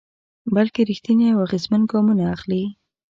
بلکې رېښتيني او اغېزمن ګامونه اخلي.